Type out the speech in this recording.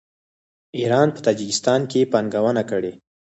ایران په تاجکستان کې پانګونه کړې.